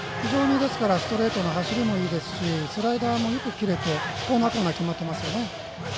ストレートの走りもいいですしスライダーもよく切れてコーナー、コーナー決まってますね。